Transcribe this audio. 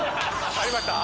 ありました？